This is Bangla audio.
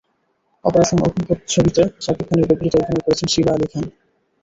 অপারেশন অগ্নিপথ ছবিতে শাকিব খানের বিপরীতে অভিনয় করছেন শিবা আলী খান।